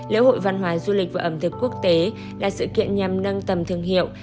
lễ hội văn hóa du lịch và ẩm thực quốc tế là sự kiện nhằm nâng tầm thương hiệu